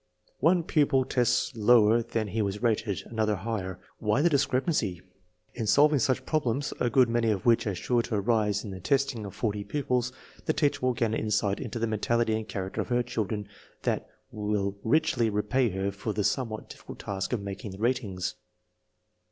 One pu pil tests lower than he was rated, another higher. Why the discrepancy? In solving such problems, a good many of which are sure to arise in the testing of forty pupils, the teacher will gain an insight into the mentality and character of her children that will richly repay her for the somewhat difficult task of making the ratings.